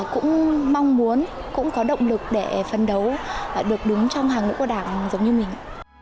cũng mong muốn cũng có động lực để phấn đấu được đứng trong hàng ngũ của đảng giống như mình